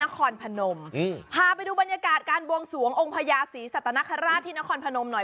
นครพนมพาไปดูบรรยากาศการบวงสวงองค์พญาศรีสัตนคราชที่นครพนมหน่อย